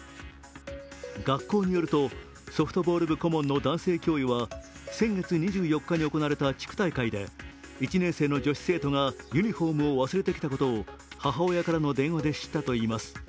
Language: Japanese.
学校によるとソフトボール部顧問の男性教諭は先月２４日に行われた地区大会で１年生の女子生徒がユニフォーム忘れてきたことを母親からの電話で知ったといいます。